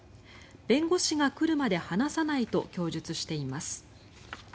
弁護士が来るまで話さないと供述しています。